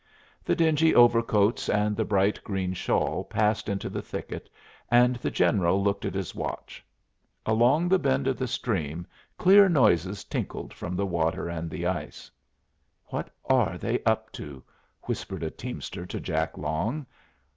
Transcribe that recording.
The dingy overcoats and the bright green shawl passed into the thicket, and the General looked at his watch. Along the bend of the stream clear noises tinkled from the water and the ice. "What are they up to?" whispered a teamster to Jack Long.